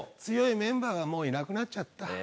強いメンバーがもういなくなっちゃった。